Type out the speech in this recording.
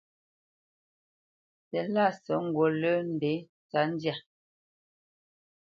Silásə ghǔt lə́ ndé tsə̌tndyǎ.